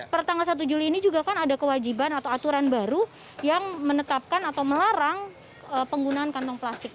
pertanggal satu juli ini juga kan ada kewajiban atau aturan baru yang menetapkan atau melarang penggunaan kantong plastik